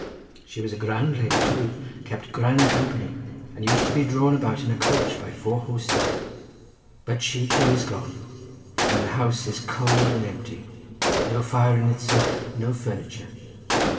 She was a grand lady too—kept grand company, and used to be drawn about in a coach by four horses. But she too is gone, and the house is cold and empty; no fire in it, sir; no furniture.